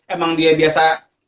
emang dia biasa